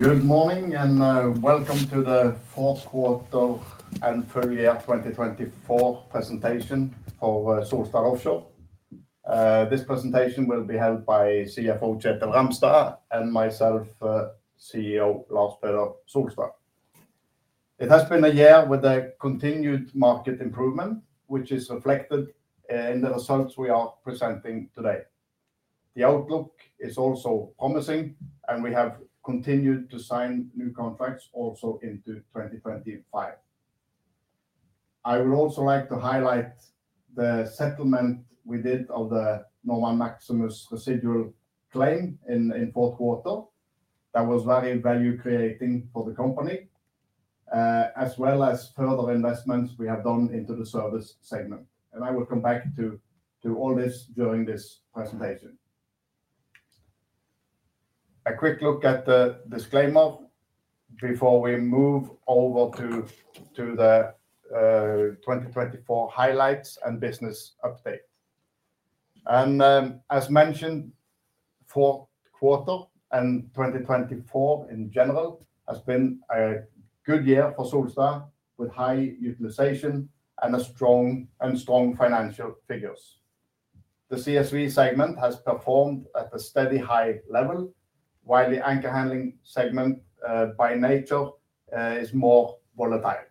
Good morning and welcome to the fourth quarter and full-year 2024 presentation for Solstad Offshore. This presentation will be held by CFO Kjetil Ramstad and myself, CEO Lars Peder Solstad. It has been a year with continued market improvement, which is reflected in the results we are presenting today. The outlook is also promising, and we have continued to sign new contracts also into 2025. I would also like to highlight the settlement we did of the Normand Maximus residual claim in fourth quarter. That was very value creating for the company, as well as further investments we have done into the service segment, and I will come back to all this during this presentation. A quick look at the disclaimer before we move over to the 2024 highlights and business update. As mentioned, fourth quarter and 2024 in general has been a good year for Solstad, with high utilization and strong financial figures. The CSV segment has performed at a steady high level, while the anchor-handling segment by nature is more volatile,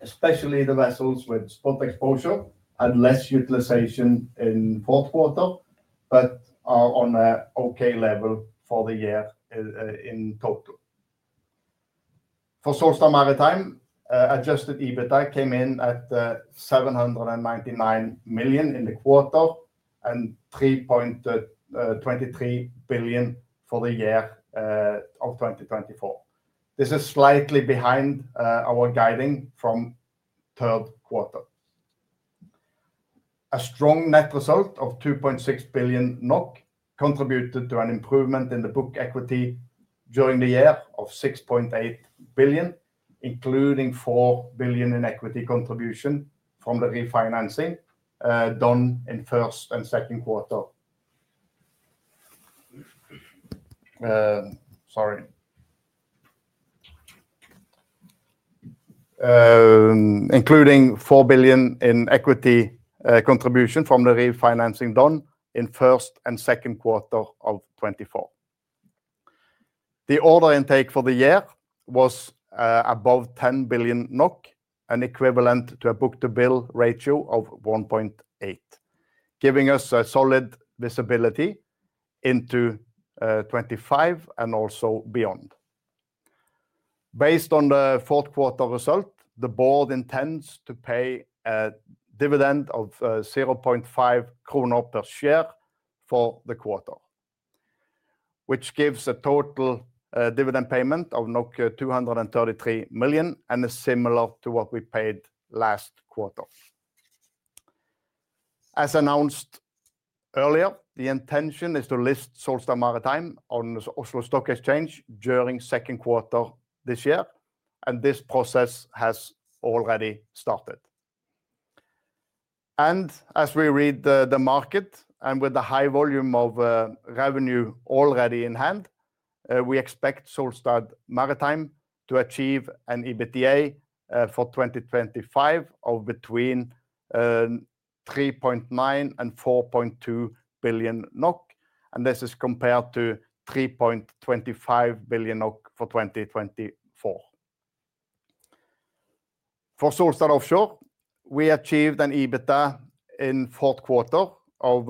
especially the vessels with spot exposure and less utilization in fourth quarter, but are on an okay level for the year in total. For Solstad Maritime, Adjusted EBITDA came in at 799 million in the quarter and 3.23 billion for the year of 2024. This is slightly behind our guiding from third quarter. A strong net result of 2.6 billion NOK contributed to an improvement in the book equity during the year of 6.8 billion, including 4 billion in equity contribution from the refinancing done in first and second quarter. Sorry. Including 4 billion in equity contribution from the refinancing done in first and second quarter of 2024. The order intake for the year was above 10 billion NOK, an equivalent to a book-to-bill ratio of 1.8, giving us a solid visibility into 2025 and also beyond. Based on the fourth quarter result, the board intends to pay a dividend of 0.5 kroner per share for the quarter, which gives a total dividend payment of 233 million and is similar to what we paid last quarter. As announced earlier, the intention is to list Solstad Maritime on the Oslo Stock Exchange during second quarter this year, and this process has already started. As we read the market and with the high volume of revenue already in hand, we expect Solstad Maritime to achieve an EBITDA for 2025 of between 3.9 billion and 4.2 billion NOK, and this is compared to 3.25 billion NOK for 2024. For Solstad Offshore, we achieved an EBITDA in fourth quarter of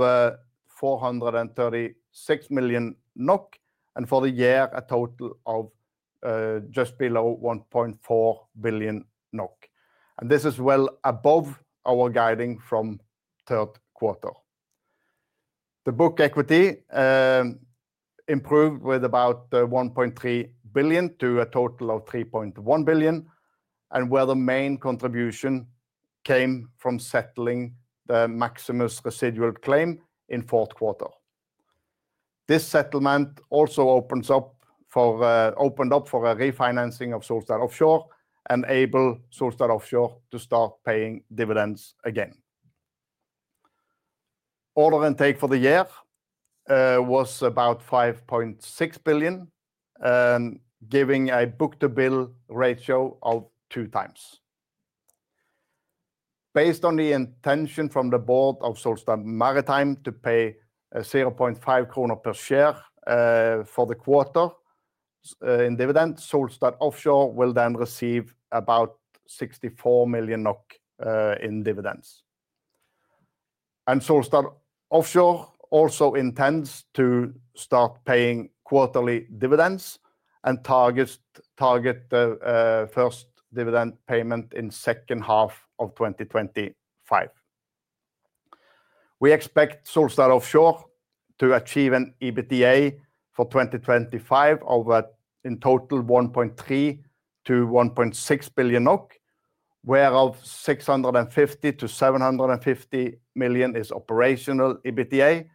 436 million NOK, and for the year, a total of just below 1.4 billion NOK. This is well above our guiding from third quarter. The book equity improved with about 1.3 billion to a total of 3.1 billion, and where the main contribution came from settling the Maximus residual claim in fourth quarter. This settlement also opened up for a refinancing of Solstad Offshore and enabled Solstad Offshore to start paying dividends again. Order intake for the year was about 5.6 billion, giving a book-to-bill ratio of two times. Based on the intention from the Board of Solstad Maritime to pay 0.5 kroner per share for the quarter in dividends, Solstad Offshore will then receive about 64 million NOK in dividends. Solstad Offshore also intends to start paying quarterly dividends and target first dividend payment in second half of 2025. We expect Solstad Offshore to achieve an EBITDA for 2025 of in total 1.3-1.6 billion NOK, whereof 650-750 million is operational EBITDA,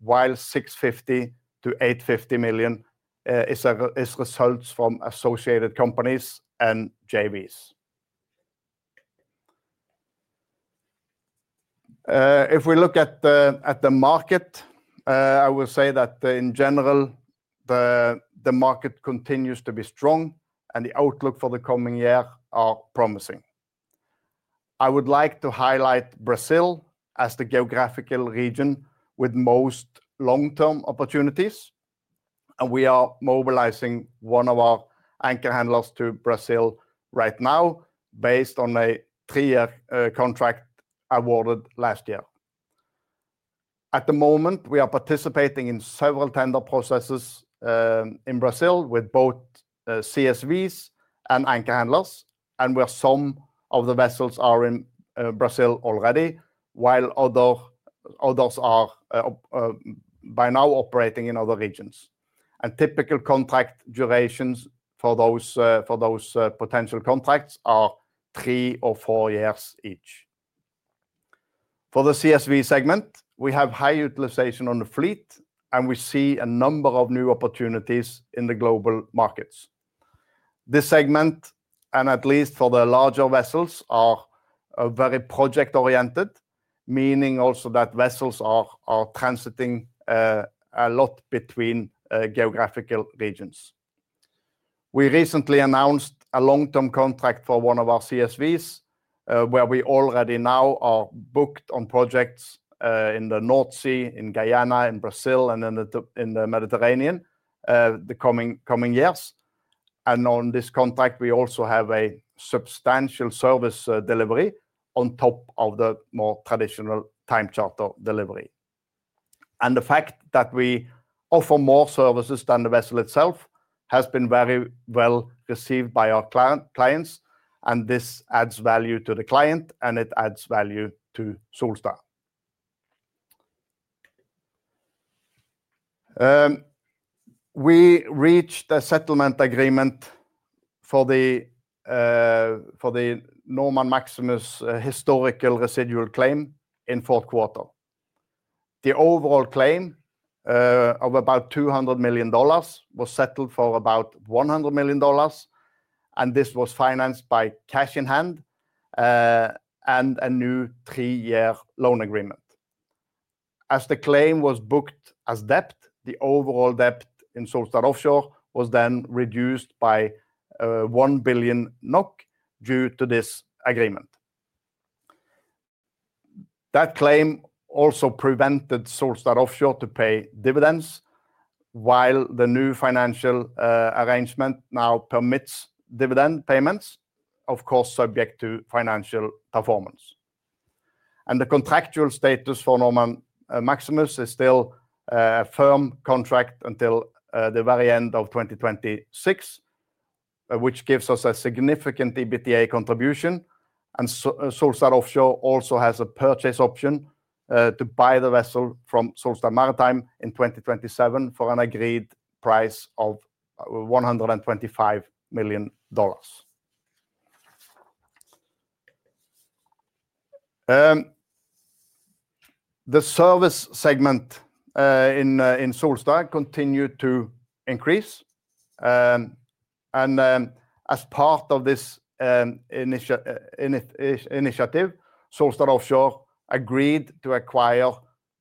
while 650-850 million is results from associated companies and JVs. If we look at the market, I will say that in general, the market continues to be strong, and the outlook for the coming year is promising. I would like to highlight Brazil as the geographical region with most long-term opportunities, and we are mobilizing one of our anchor handlers to Brazil right now based on a three-year contract awarded last year. At the moment, we are participating in several tender-processes in Brazil with both CSVs and anchor handlers, and where some of the vessels are in Brazil already, while others are by now operating in other regions, and typical contract durations for those potential contracts are three or four years each. For the CSV segment, we have high utilization on the fleet, and we see a number of new opportunities in the global markets. This segment, and at least for the larger vessels, are very project-oriented, meaning also that vessels are transiting a lot between geographical regions. We recently announced a long-term contract for one of our CSVs, where we already now are booked on projects in the North Sea, in Guyana, in Brazil, and in the Mediterranean the coming years, and on this contract, we also have a substantial service-delivery on top of the more traditional time-charter delivery. And the fact that we offer more services than the vessel itself has been very well received by our clients, and this adds value to the client, and it adds value to Solstad. We reached a settlement agreement for the Normand Maximus historical residual claim in fourth quarter. The overall claim of about NOK 200 million was settled for about NOK 100 million, and this was financed by cash-in-hand and a new three-year loan agreement. As the claim was booked as debt, the overall debt in Solstad Offshore was then reduced by 1 billion NOK due to this agreement. That claim also prevented Solstad Offshore from paying dividends, while the new financial arrangement now permits dividend payments, of course, subject to financial performance. And the contractual status for Normand Maximus is still a firm contract until the very end of 2026, which gives us a significant EBITDA contribution. And Solstad Offshore also has a purchase option to buy the vessel from Solstad Maritime in 2027 for an agreed price of NOK 125 million. The service segment in Solstad continued to increase. And as part of this initiative, Solstad Offshore agreed to acquire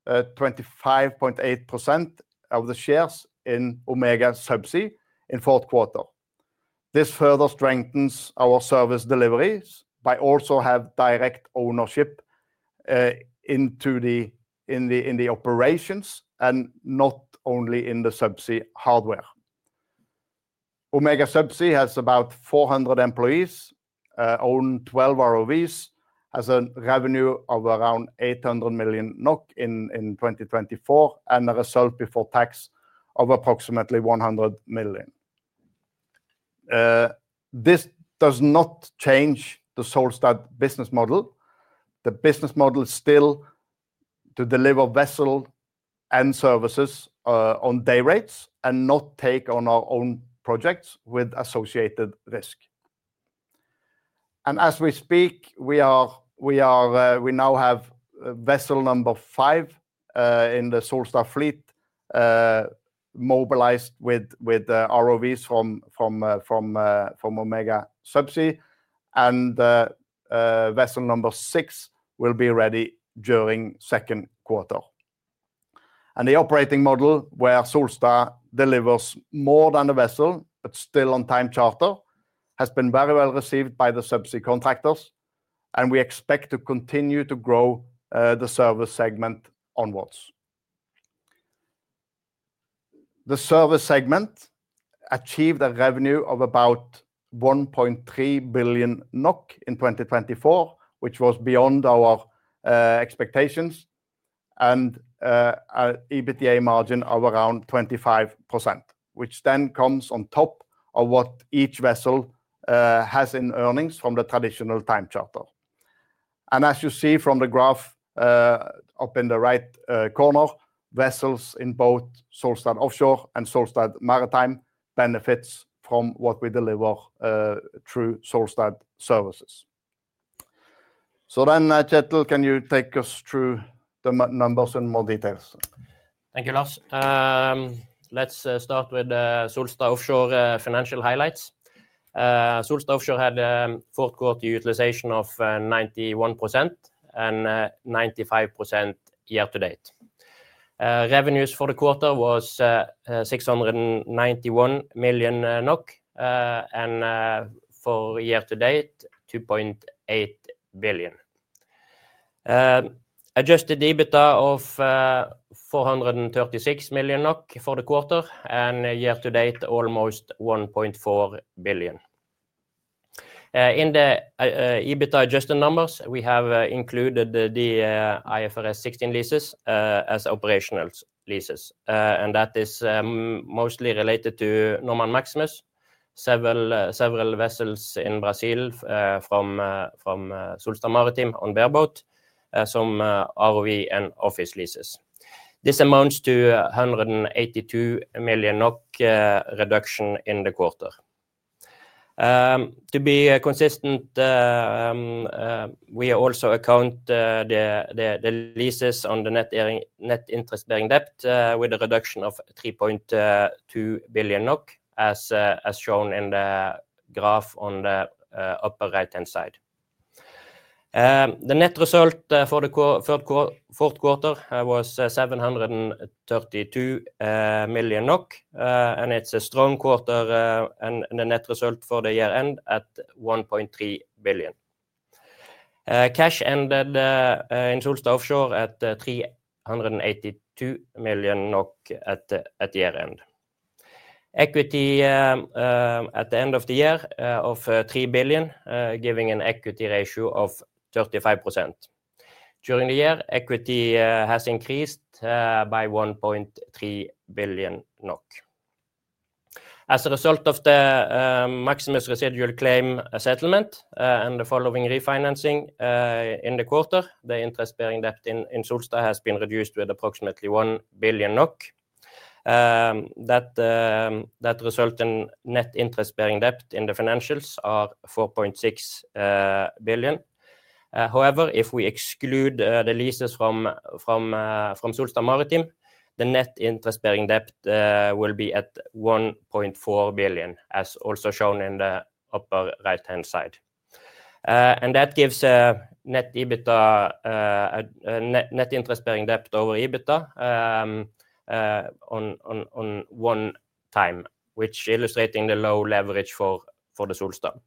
25.8% of the shares in Omega Subsea in fourth quarter. This further strengthens our service deliveries by also having direct ownership in the operations and not only in the subsea hardware. Omega Subsea has about 400 employees, owns 12 ROVs, has a revenue of around 800 million NOK in 2024, and a result before tax of approximately 100 million. This does not change the Solstad business model. The business model is still to deliver vessels and services on day rates and not take on our own projects with associated risk. As we speak, we now have vessel number five in the Solstad fleet mobilized with ROVs from Omega Subsea, and vessel number six will be ready during second quarter. The operating model, where Solstad delivers more than a vessel but still on time charter, has been very well received by the subsea contractors, and we expect to continue to grow the service segment onwards. The service segment achieved a revenue of about 1.3 billion NOK in 2024, which was beyond our expectations, and an EBITDA margin of around 25%, which then comes on top of what each vessel has in earnings from the traditional time-charter. And as you see from the graph up in the right corner, vessels in both Solstad Offshore and Solstad Maritime benefit from what we deliver through Solstad Services. So then, Kjetil, can you take us through the numbers in more detail? Thank you, Lars. Let's start with Solstad Offshore financial highlights. Solstad Offshore had fourth quarter utilization of 91% and 95% year-to-date. Revenues for the quarter was 691 million NOK, and for year-to-date, 2.8 billion. Adjusted EBITDA of 436 million NOK for the quarter, and year-to-date, almost 1.4 billion. In the EBITDA adjusted numbers, we have included the IFRS 16 leases as operational leases, and that is mostly related to Normand Maximus, several vessels in Brazil from Solstad Maritime on bareboat as ROV and office leases. This amounts to 182 million NOK reduction in the quarter. To be consistent, we also account the leases on the net interest-bearing debt with a reduction of 3.2 billion NOK, as shown in the graph on the upper right-hand side. The net result for the fourth quarter was 732 million NOK, and it's a strong quarter, and the net result for the year-end at 1.3 billion. Cash ended in Solstad Offshore at 382 million NOK at year-end. Equity at the end of the year of 3 billion, giving an equity ratio of 35%. During the year, equity has increased by 1.3 billion NOK. As a result of the Maximus residual claim settlement and the following refinancing in the quarter, the interest-bearing debt in Solstad has been reduced with approximately 1 billion NOK. That result in net interest-bearing debt in the financials is 4.6 billion. However, if we exclude the leases from Solstad Maritime, the net interest-bearing debt will be at 1.4 billion, as also shown in the upper right-hand side. And that gives a net interest-bearing debt over EBITDA on one time, which illustrates the low-leverage for the Solstad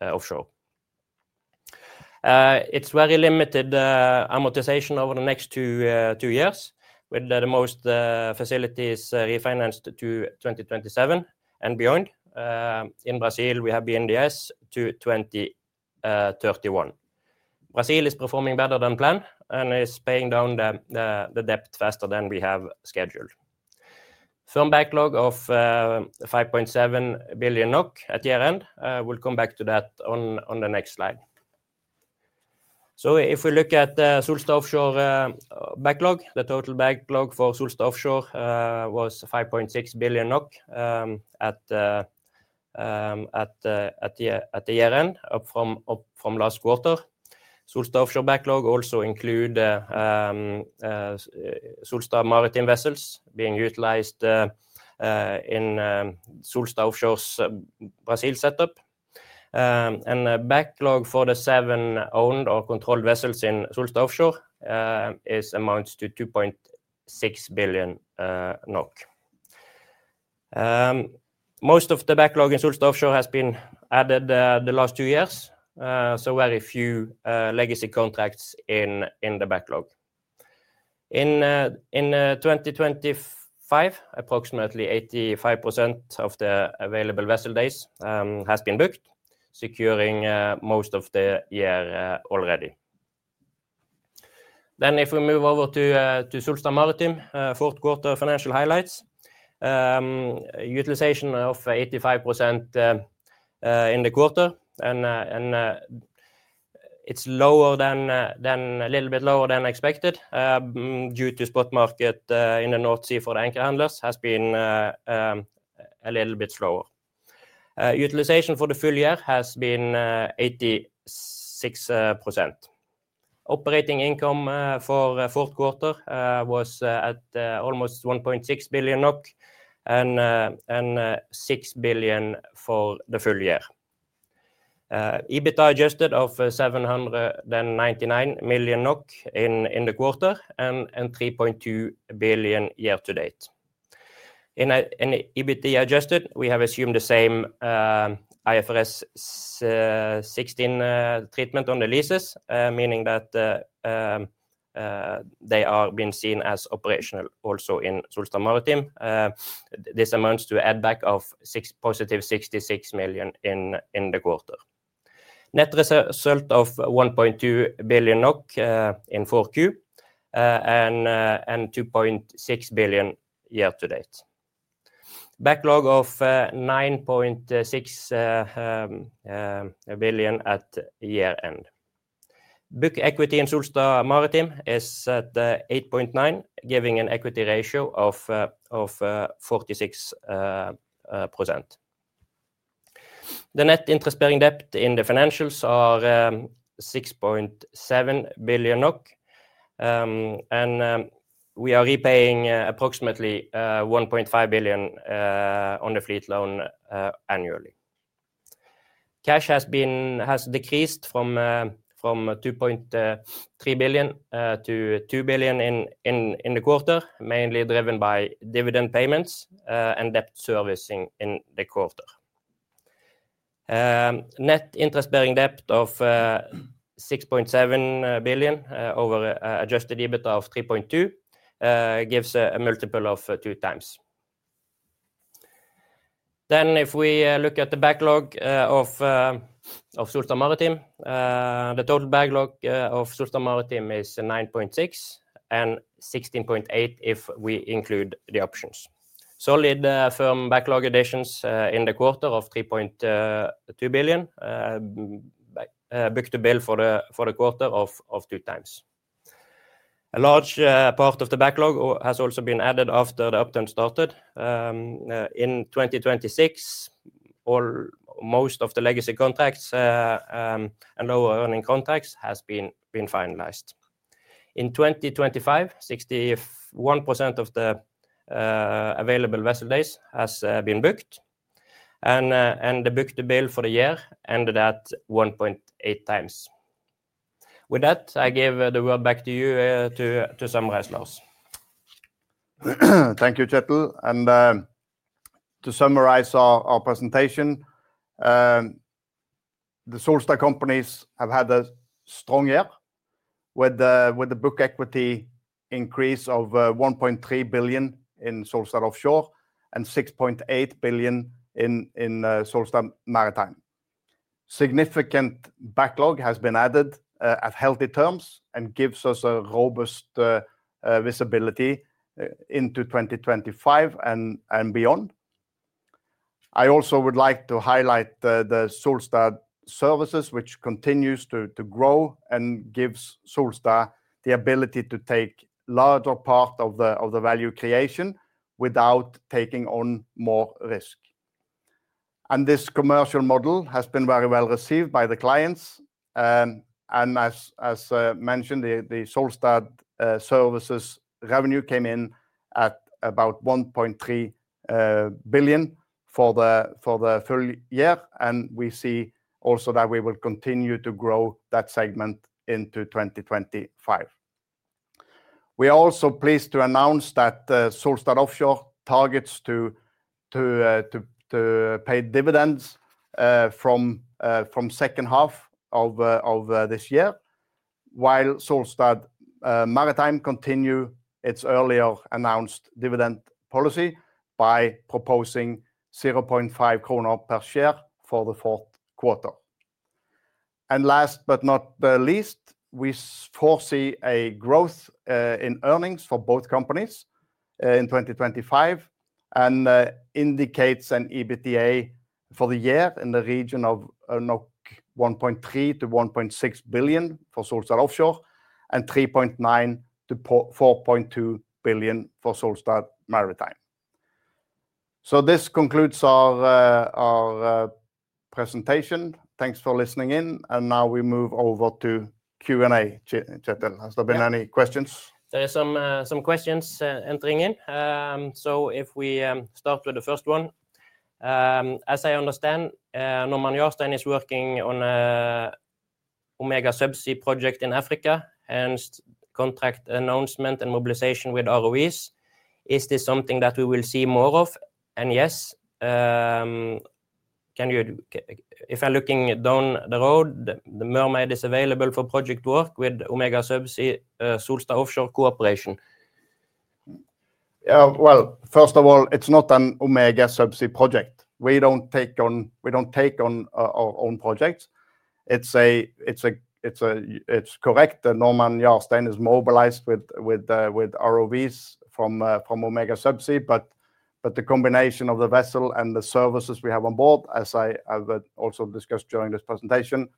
Offshore. It's very limited amortization over the next two years, with the most facilities refinanced to 2027 and beyond. In Brazil, we have been in the secured to 2031. Brazil is performing better than plan and is paying down the debt faster than we have scheduled. Firm backlog of 5.7 billion NOK at year-end. We'll come back to that on the next slide. So if we look at the Solstad Offshore backlog, the total backlog for Solstad Offshore was 5.6 billion NOK at year-end from last quarter. Solstad Offshore backlog also includes Solstad Maritime vessels being utilized in Solstad Offshore's Brazil setup and backlog for the seven owned or controlled vessels in Solstad Offshore amounts to 2.6 billion NOK. Most of the backlog in Solstad Offshore has been added the last two years, so very few legacy contracts in the backlog. In 2025, approximately 85% of the available vessel days has been booked, securing most of the year already, then if we move over to Solstad Maritime, fourth quarter financial highlights. Utilization of 85% in the quarter, and it's a little bit lower than expected due to spot market in the North Sea for the anchor handlers has been a little bit slower. Utilization for the full-year has been 86%. Operating income for fourth quarter was at almost 1.6 billion NOK and 6 billion for the full-year. EBITDA adjusted of 799 million NOK in the quarter and 3.2 billion year-to-date. In EBITDA adjusted, we have assumed the same IFRS 16 treatment on the leases, meaning that they are being seen as operational also in Solstad Maritime. This amounts to an add-back of positive 66 million in the quarter. Net result of 1.2 billion NOK in Q4 and 2.6 billion year-to-date. Backlog of 9.6 billion at year-end. Book equity in Solstad Maritime is at 8.9 billion, giving an equity ratio of 46%. The net interest-bearing debt in the financials is 6.7 billion NOK, and we are repaying approximately 1.5 billion on the fleet loan annually. Cash has decreased from 2.3 billion to 2 billion in the quarter, mainly driven by dividend payments and debt servicing in the quarter. Net interest-bearing debt of 6.7 billion over Adjusted EBITDA of 3.2 gives a multiple of two times. Then if we look at the backlog of Solstad Maritime, the total backlog of Solstad Maritime is 9.6 and 16.8 billion if we include the options. Solid firm backlog additions in the quarter of 3.2 billion book-to-bill for the quarter of two times. A large part of the backlog has also been added after the upturn started. In 2026, most of the legacy contracts and lower-earning contracts have been finalized. In 2025, 61% of the available vessel days have been booked, and the book-to-bill for the year ended at 1.8 times. With that, I give the word back to you to summarize, Lars. Thank you, Kjetil. To summarize our presentation, the Solstad companies have had a strong year with the book equity increase of 1.3 billion in Solstad Offshore and 6.8 billion in Solstad Maritime. Significant backlog has been added at healthy-terms and gives us a robust visibility into 2025 and beyond. I also would like to highlight the Solstad Services, which continues to grow and gives Solstad the ability to take a larger part of the value creation without taking on more risk. This commercial model has been very well received by the clients. As mentioned, the Solstad Services revenue came in at about 1.3 billion for the full-year, and we see also that we will continue to grow that segment into 2025. We are also pleased to announce that Solstad Offshore targets to pay dividends from the second half of this year, while Solstad Maritime continues its earlier announced dividend policy by proposing 0.5 krone per share for the fourth quarter. Last but not the least, we foresee a growth in earnings for both companies in 2025 and indicates an EBITDA for the year in the region of 1.3-1.6 billion for Solstad Offshore and 3.9-4.2 billion for Solstad Maritime. This concludes our presentation. Thanks for listening in. Now we move over to Q&A, Kjetil. Has there been any questions? There are some questions entering in. If we start with the first one. As I understand, Normand Jarstein is working on an Omega Subsea project in Africa, hence contract announcement and mobilization with ROVs. Is this something that we will see more of? And yes, if I'm looking down the road, the Mermaid is available for project work with Omega Subsea Solstad Offshore cooperation. Yeah, well, first of all, it's not an Omega Subsea project. We don't take on our own projects. It's correct that Normand Jarstein is mobilized with ROVs from Omega Subsea, but the combination of the vessel and the services we have on board, as I have also discussed during this presentation,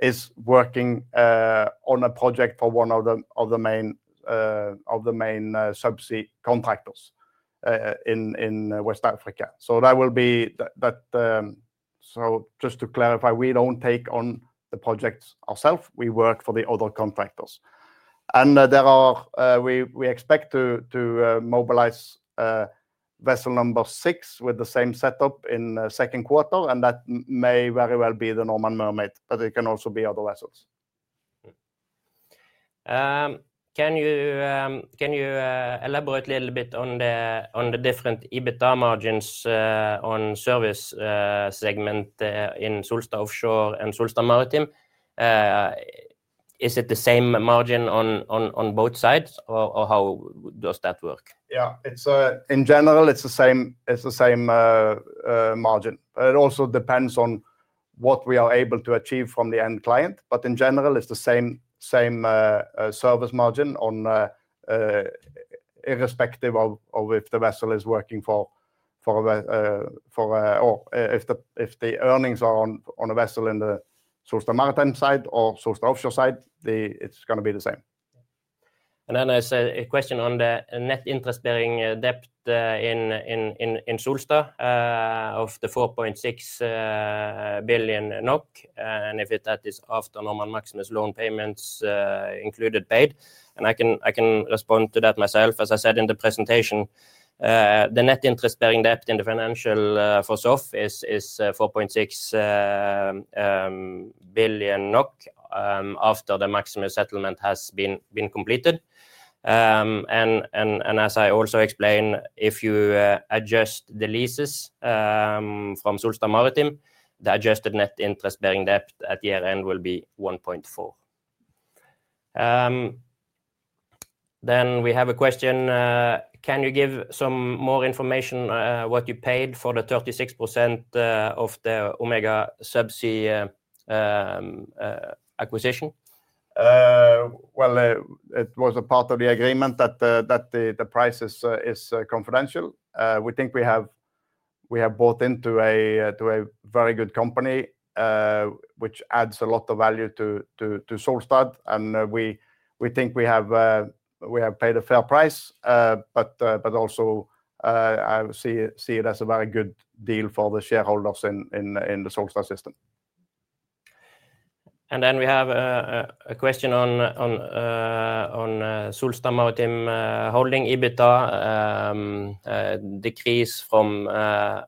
is working on a project for one of the main subsea contractors in West Africa. So that will be that, so just to clarify, we don't take on the projects ourselves. We work for the other contractors. And we expect to mobilize vessel number six with the same setup in the second quarter, and that may very well be the Normand Mermaid, but it can also be other vessels. Can you elaborate a little bit on the different EBITDA margins on service segment in Solstad Offshore and Solstad Maritime? Is it the same margin on both sides, or how does that work? Yeah, in general, it's the same margin. It also depends on what we are able to achieve from the end client, but in general, it's the same service margin irrespective of if the vessel is working for, or if the earnings are on a vessel in the Solstad Maritime side or Solstad Offshore side, it's going to be the same. And then there's a question on the net interest-bearing debt in Solstad of the 4.6 billion NOK, and if that is after Normand Maximus loan payments included paid. And I can respond to that myself, as I said in the presentation. The net interest-bearing debt in the financials for SOF is 4.6 billion NOK after the Maximus settlement has been completed. And as I also explained, if you adjust the leases from Solstad Maritime, the adjusted net interest-bearing debt at year-end will be 1.4 billion. Then we have a question. Can you give some more information on what you paid for the 36% of the Omega Subsea acquisition? Well, it was a part of the agreement that the price is confidential. We think we have bought into a very good company, which adds a lot of value to Solstad, and we think we have paid a fair price, but also see it as a very good deal for the shareholders in the Solstad system. And then we have a question on Solstad Maritime Holding EBITDA decrease from third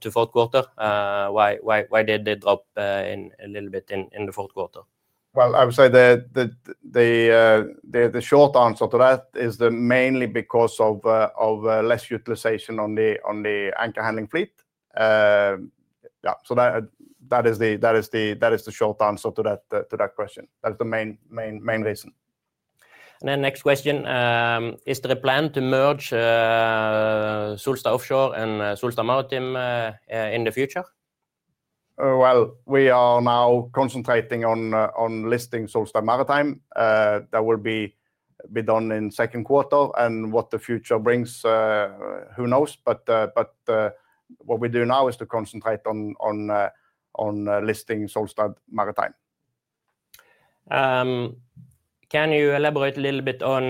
to fourth quarter. Why did it drop a little bit in the fourth quarter? Well, I would say the short answer to that is mainly because of less utilization on the anchor handling fleet. Yeah, so that is the short answer to that question. That's the main reason. And then next question. Is there a plan to merge Solstad Offshore and Solstad Maritime in the future? Well, we are now concentrating on listing Solstad Maritime. That will be done in the second quarter, and what the future brings, who knows, but what we do now is to concentrate on listing Solstad Maritime. Can you elaborate a little bit on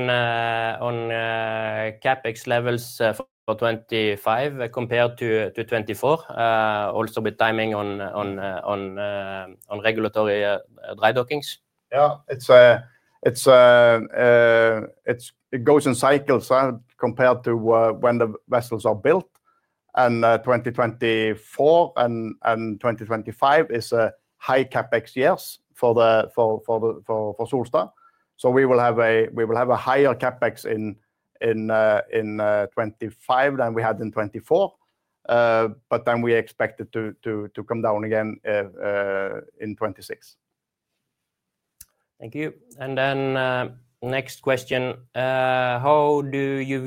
CapEx levels for 2025 compared to 2024, also with timing on regulatory dry dockings? Yeah, it goes in cycles compared to when the vessels are built. And 2024 and 2025 is high CapEx years for Solstad. We will have a higher CapEx in 2025 than we had in 2024, but then we expect it to come down again in 2026. Thank you. And then next question. How do you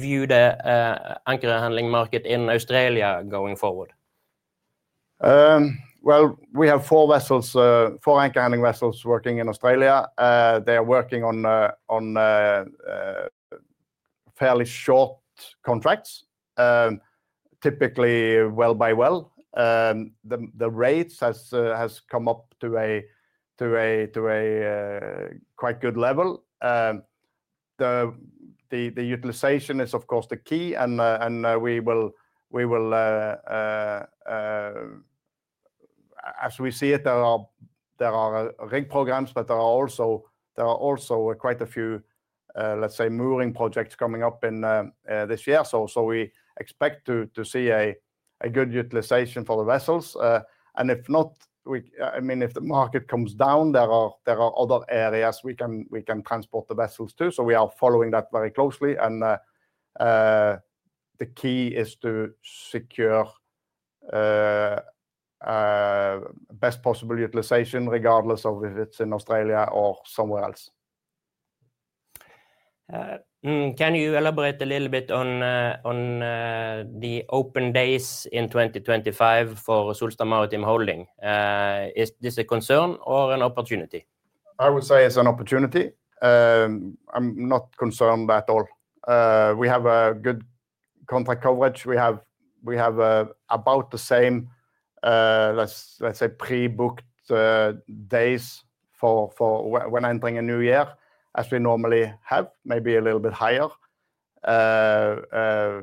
view the anchor handling market in Australia going forward? Well, we have four anchor-handling vessels working in Australia. They are working on fairly short contracts, typically well-by-well. The rate has come up to a quite good level. The utilization is, of course, the key, and we will, as we see it, there are rig-programs, but there are also quite a few, let's say, mooring projects coming up this year. So we expect to see a good utilization for the vessels. And if not, I mean, if the market comes down, there are other areas we can transport the vessels to. So we are following that very closely, and the key is to secure best possible utilization, regardless of if it's in Australia or somewhere else. Can you elaborate a little bit on the open days in 2025 for Solstad Maritime Holding? Is this a concern or an opportunity? I would say it's an opportunity. I'm not concerned at all. We have good contract-coverage. We have about the same, let's say, pre booked days when entering a new year, as we normally have, maybe a little bit higher.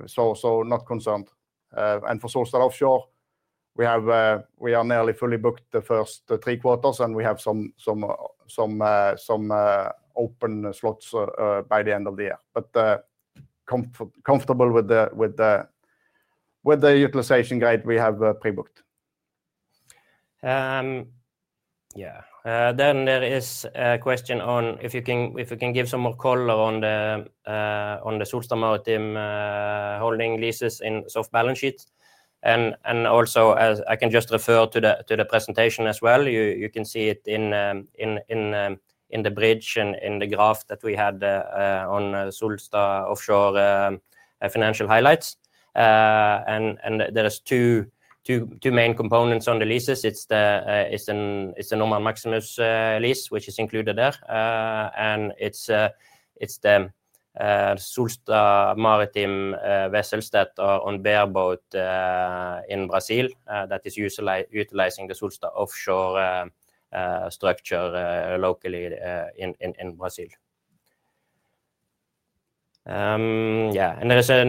So not concerned. And for Solstad Offshore, we are nearly fully booked the first three quarters, and we have some open slots by the end of the year. But comfortable with the utilization grade we have pre-booked. Yeah. Then there is a question on if you can give some more color on the Solstad Maritime Holding leases in off-balance sheets. And also, I can just refer to the presentation as well. You can see it in the slide and in the graph that we had on Solstad Offshore financial highlights. And there are two main components on the leases. It's the Normand Maximus lease, which is included there. And it's the Solstad Maritime vessels that are on bareboat in Brazil that is utilizing the Solstad Offshore structure locally in Brazil. Yeah. And there is a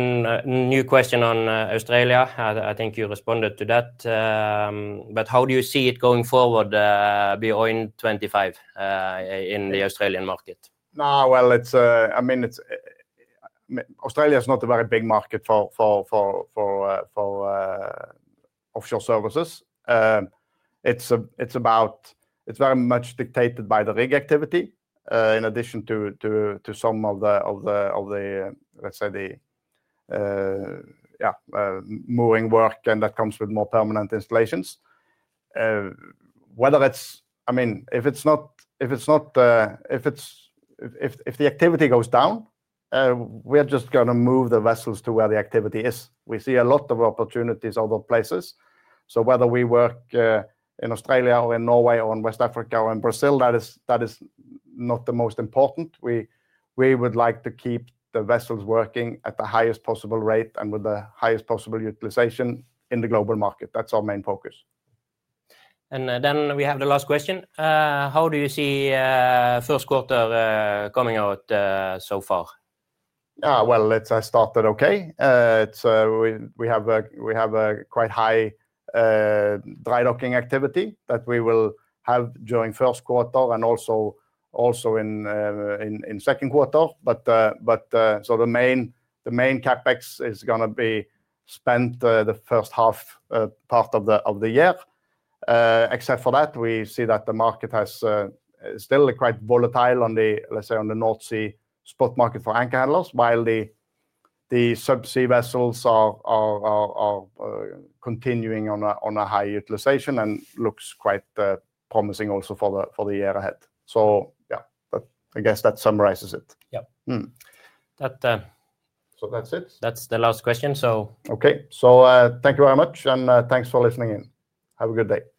new question on Australia. I think you responded to that. But how do you see it going forward beyond 2025 in the Australian market? No, well, I mean, Australia is not a very big market for offshore services. It's very much dictated by the rig activity, in addition to some of the, let's say, the mooring work, and that comes with more permanent installations. I mean, if it's not, if the activity goes down, we're just going to move the vessels to where the activity is. We see a lot of opportunities other places. So whether we work in Australia or in Norway or in West Africa or in Brazil, that is not the most important. We would like to keep the vessels working at the highest possible rate and with the highest possible utilization in the global market. That's our main focus. And then we have the last question. How do you see first quarter coming out so far? Well, it has started okay. We have a quite high dry docking activity that we will have during first quarter and also in second quarter. But so the main CapEx is going to be spent the first half part of the year. Except for that, we see that the market has still quite volatile on the, let's say, on the North Sea spot market for anchor handlers, while the subsea vessels are continuing on a high utilization and looks quite promising also for the year ahead. So yeah, I guess that summarizes it. Yeah. So that's it. That's the last question, so. Okay. So thank you very much, and thanks for listening in. Have a good day.